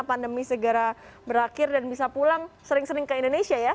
pandemi segera berakhir dan bisa pulang sering sering ke indonesia ya